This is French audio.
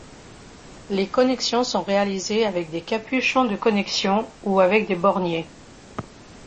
Les connexions sont réalisées avec des capuchon de connexion ou avec des borniers.